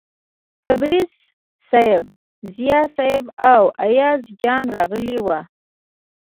تبریز صیب، ضیا صیب او ایاز جان راغلي ول.